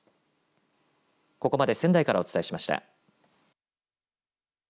ここまで仙台からお伝えしました。